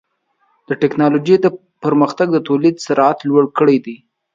د ټکنالوجۍ پرمختګ د تولید سرعت لوړ کړی دی.